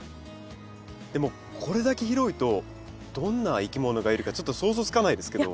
でもこれだけ広いとどんないきものがいるかちょっと想像つかないですけど。